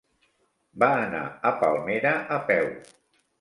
Va anar a Palmera a peu.